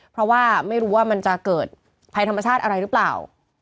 เพราะว่าไม่รู้ว่ามันจะเกิดภัยธรรมชาติอะไรหรือเปล่า